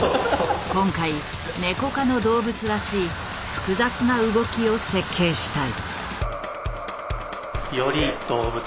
今回ネコ科の動物らしい複雑な動きを設計したい。